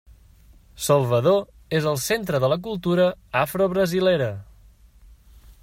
Salvador és el centre de la cultura afro-brasilera.